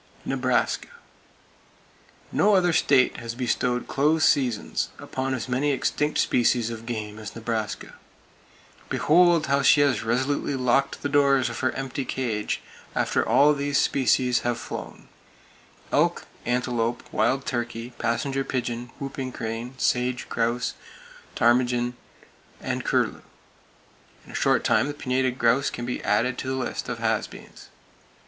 Nebraska: No other state has bestowed close seasons upon as many extinct species [Page 288] of game as Nebraska. Behold how she has resolutely locked the doors of her empty cage after all these species have flown: Elk, antelope, wild turkey, passenger pigeon, whooping crane, sage grouse, ptarmigan and curlew. In a short time the pinnated grouse can be added to the list of has beens.